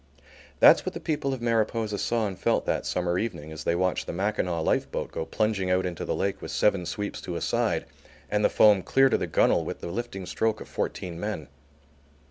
That's what the people of Mariposa saw and felt that summer evening as they watched the Mackinaw life boat go plunging out into the lake with seven sweeps to a side and the foam clear to the gunwale with the lifting stroke of fourteen men!